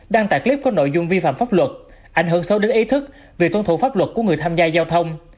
đăng tải clip có nội dung vi phạm pháp luật ảnh hưởng sâu đến ý thức về tôn thủ pháp luật của người tham gia giao thông